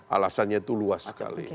alasannya itu luas sekali